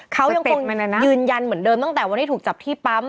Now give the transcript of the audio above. เขายังคงยืนยันเหมือนเดิมตั้งแต่วันที่ถูกจับที่ปั๊ม